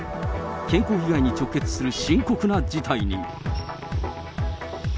健康被害に直結する深刻な事態に。